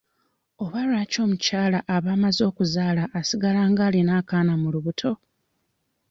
Oba lwaki omukyala aba amaze okuzaala asigala ng'alina akaana mu lubuto?